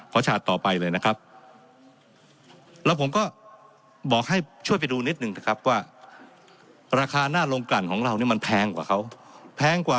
ขอชาติต่อไปเลยนะครับแล้วผมก็บอกให้ช่วยไปดูนิดนึงครับว่าราคาหน้าลงกรรมของเรานี่มันแพงกว่าเขา